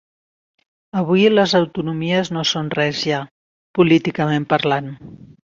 Avui les autonomies no són res ja, políticament parlant.